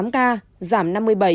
tám ca giảm năm mươi bảy